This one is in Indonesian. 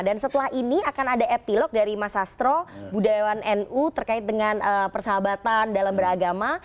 dan setelah ini akan ada epilog dari mas astro budayawan nu terkait dengan persahabatan dalam beragama